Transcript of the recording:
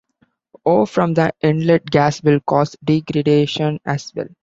O from the inlet gas will cause degradation as well.